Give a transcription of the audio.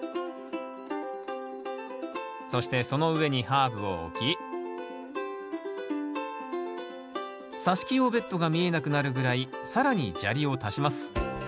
そしてその上にハーブを置きさし木用ベッドが見えなくなるぐらい更に砂利を足します